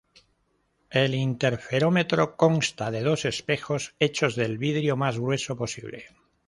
El interferómetro consta de dos espejos, hechos del vidrio más grueso posible.